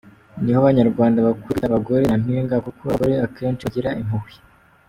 Niho abanyarwanda bakuye kwita abagore ‘Nyampinga’ kuko abagore akenshi bagira impuhwe.